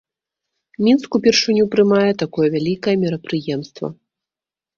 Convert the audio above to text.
Мінск упершыню прымае такое вялікае мерапрыемства.